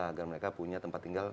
agar mereka punya tempat tinggal